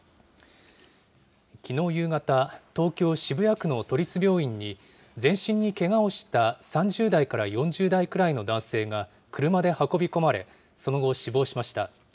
きのう夕方、東京・渋谷区の都立病院に、全身にけがをした３０代から４０代くらいの男性が車で運び込まれ、その後、死亡しました。